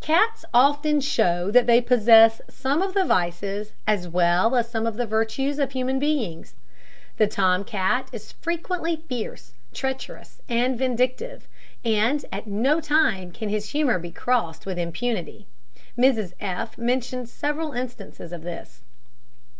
Cats often show that they possess some of the vices as well as some of the virtues of human beings. The tom cat is frequently fierce, treacherous, and vindictive, and at no time can his humour be crossed with impunity. Mrs F mentions several instances of this.